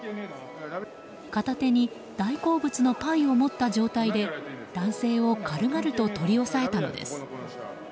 片手に大好物のパイを持った状態で男性を軽々と取り押さえたのです。